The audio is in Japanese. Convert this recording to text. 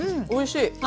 おいしい！